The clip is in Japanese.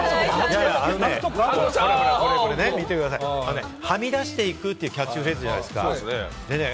これ見てください、「はみ出していく」というキャッチフレーズじゃないですか？